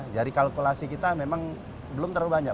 jadi kalkulasi kita memang belum terlalu banyak